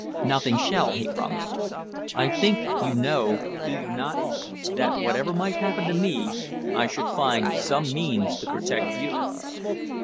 "Nothing shall," he promised her. "I think you know, do you not, that, whatever might happen to me, I should find some means to protect you."